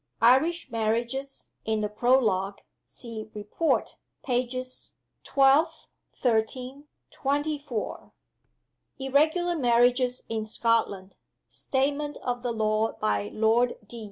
Irish Marriages (In the Prologue). See Report, pages XII., XIII., XXIV. Irregular Marriages in Scotland. Statement of the law by Lord Deas.